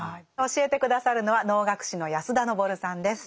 教えて下さるのは能楽師の安田登さんです。